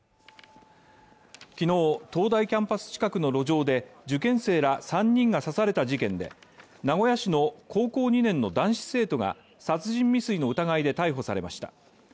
昨日、東大キャンパス近くの路上で受験生ら３人が刺された事件で名古屋市の高校２年の男子生徒が殺人未遂の疑いで逮捕されました。